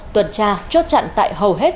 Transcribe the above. tuần tra chốt chặn tại hầu hết